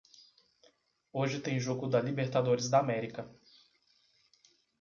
Hoje tem jogo da Libertadores da América.